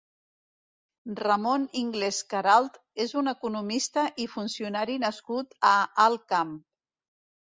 Ramón Inglés Queralt és un economista i funcionari nascut a Alt Camp.